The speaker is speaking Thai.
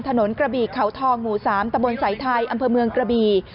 ถนนกระบี่เขาทองหมู่๓ตะบนสายไทยอำเภอเมืองกระบี